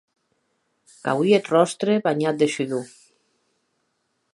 Qu'auie eth ròstre banhat de shudor.